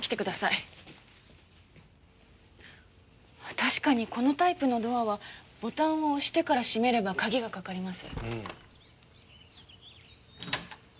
確かにこのタイプのドアはボタンを押してから閉めれば鍵がかかります。